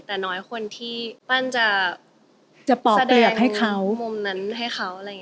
แต่น้อยคนที่ปั้นจะแสดงมุมนั้นให้เขา